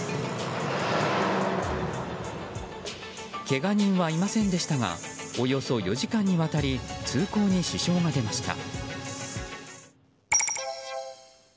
けが人はいませんでしたがおよそ４時間にわたり通行に支障が出ました。